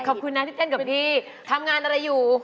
ขอบคุณนะที่เต้นกับพี่ทำงานอะไรอยู่